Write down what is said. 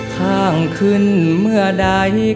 ข้างขึ้นเมื่อใด